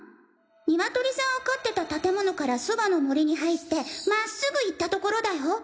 ニワトリさんを飼ってた建物からそばの森に入ってまっすぐ行った所だよ！